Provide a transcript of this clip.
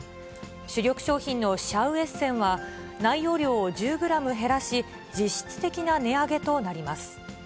主力商品のシャウエッセンは、内容量を１０グラム減らし、実質的な値上げとなります。